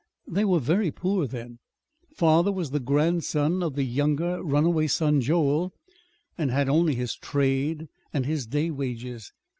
They were very poor then. Father was the grandson of the younger, runaway son, Joel, and had only his trade and his day wages.